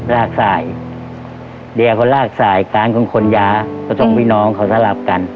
รากสายเดียคนรากสายการคนคนยาก็ทำพี่น้องเขาสลับกัน